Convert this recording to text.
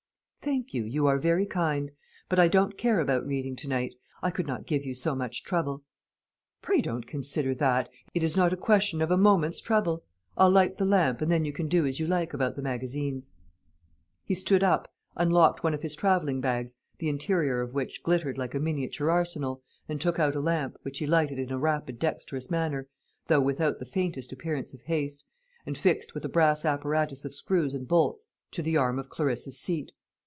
"Thank you, you are very kind; but I don't care about reading to night; I could not give you so much trouble." "Pray don't consider that. It is not a question of a moment's trouble. I'll light the lamp, and then you can do as you like about the magazines." He stood up, unlocked one of his travelling bags, the interior of which glittered like a miniature arsenal, and took out a lamp, which he lighted in a rapid dexterous manner, though without the faintest appearance of haste, and fixed with a brass apparatus of screws and bolts to the arm of Clarissa's seat.